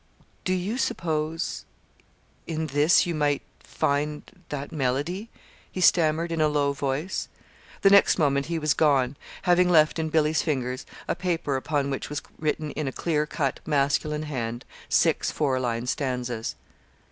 "Do you suppose in this you might find that melody?" he stammered in a low voice. The next moment he was gone, having left in Billy's fingers a paper upon which was written in a clear cut, masculine hand six four line stanzas.